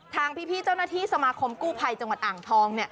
ทางพี่เจ้าหน้าที่สมาคมกู้ภัยจังหวัดอ่างทอง